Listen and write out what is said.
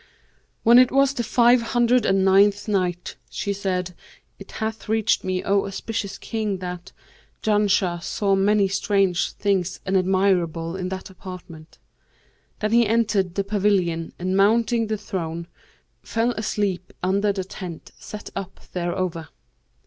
When it was the Five Hundred and Ninth Night, She said, It hath reached me, O auspicious King, that "Janshah saw many strange things and admirable in that apartment. Then he entered the pavilion and mounting the throne, fell asleep under the tent set up thereover.